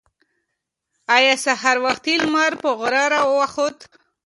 ایا سهار وختي لمر په غره راوخوت؟